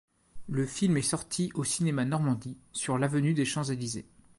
Le film est sorti au cinéma Normandie sur l'avenue des Champs-Elysées.